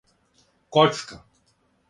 коцка